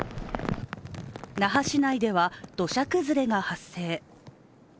那覇市内では、土砂崩れが発生。